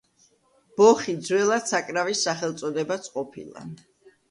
ბოხი ძველად საკრავის სახელწოდებაც ყოფილა.